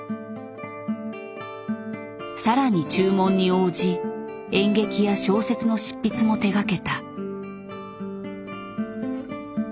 更に注文に応じ演劇や小説の執筆も手がけた。